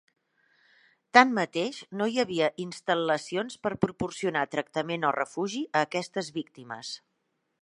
Tanmateix, no hi havia instal·lacions per proporcionar tractament o refugi a aquestes víctimes.